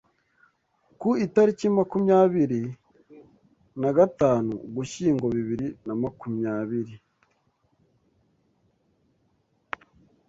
ku itariki makumyabiri nagatanu Ugushyingo bibiri na makumyabiri